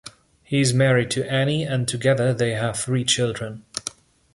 He is married to Annie and together they have three children.